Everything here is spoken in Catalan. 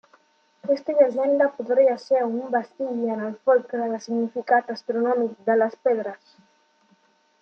Aquesta llegenda podria ser un vestigi en el folklore del significat astronòmic de les pedres.